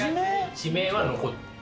地名は残ってる。